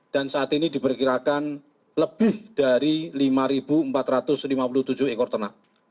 dan saat ini diperkirakan lebih dari lima ribu empat ratus lima puluh tujuh ekor ternak